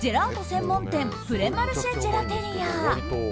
専門店プレマルシェ・ジェラテリア。